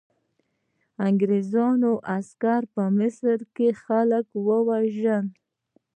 انګریزانو عسکر په مصر کې خلک وژني.